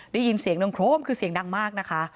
ได้ยินเสียงดังโครมคือเสียงดังมากนะคะ